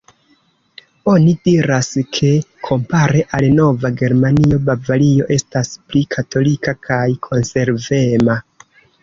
Oni diras, ke kompare al norda Germanio, Bavario estas pli katolika kaj konservema.